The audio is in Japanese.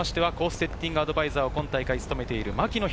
セッティングアドバイザーを今大会務めている牧野裕